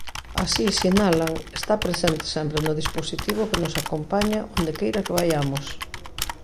Así, sinalan, "está presente sempre no dispositivo que nos acompaña onde queira que vaiamos".